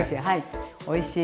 はい。